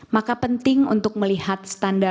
maka penting untuk melihat standar